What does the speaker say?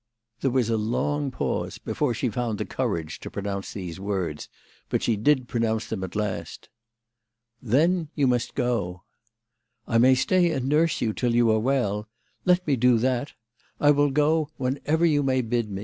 There was a long pause before she found the courage to pronounce these words, but she did pronounce them at last. " Then you must go." " I may stay and nurse you till you are well. Let me do that. I will go whenever you may bid me."